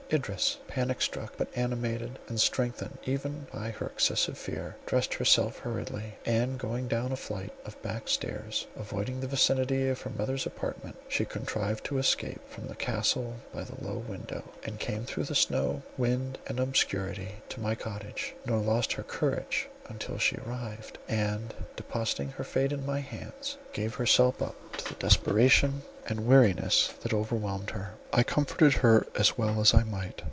Idris, panic struck, but animated and strengthened even by her excessive fear, dressed herself hurriedly, and going down a flight of back stairs, avoiding the vicinity of her mother's apartment, she contrived to escape from the castle by a low window, and came through snow, wind, and obscurity to my cottage; nor lost her courage, until she arrived, and, depositing her fate in my hands, gave herself up to the desperation and weariness that overwhelmed her. I comforted her as well as I might.